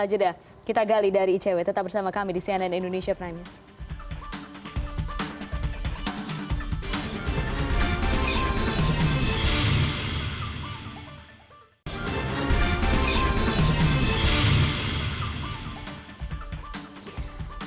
jeda kita gali dari icw tetap bersama kami di cnn indonesia prime news